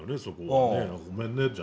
そこはね。